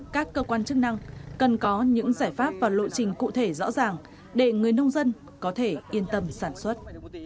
các cơ quan chức năng cần có những giải pháp và lộ trình cụ thể rõ ràng để người nông dân có thể yên tâm sản xuất